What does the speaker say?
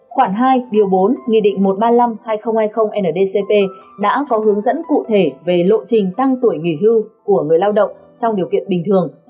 khoảng hai điều bốn nghị định một trăm ba mươi năm hai nghìn hai mươi ndcp đã có hướng dẫn cụ thể về lộ trình tăng tuổi nghỉ hưu của người lao động trong điều kiện bình thường